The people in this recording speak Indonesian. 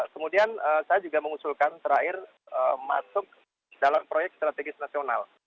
kemudian saya juga mengusulkan terakhir masuk dalam proyek strategis nasional